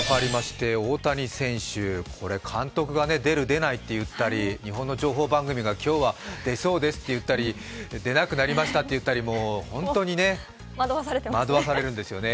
大谷選手、これ、監督が出る、出ないって言ったり日本の情報番組が今日は出そうですって言ったり出なくなりますって言ったりもう本当に惑わされるんですよね。